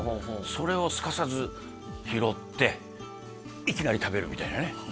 それをすかさず拾っていきなり食べるみたいなね